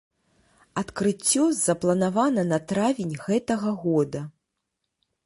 Адкрыццё запланавана на травень гэтага года.